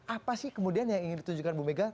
apa sih kemudian yang ingin ditunjukkan bu mega